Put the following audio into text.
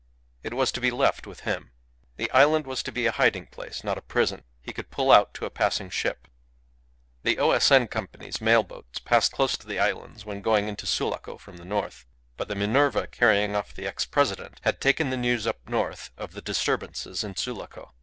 It was to be left with him. The island was to be a hiding place, not a prison; he could pull out to a passing ship. The O.S.N. Company's mail boats passed close to the islands when going into Sulaco from the north. But the Minerva, carrying off the ex president, had taken the news up north of the disturbances in Sulaco.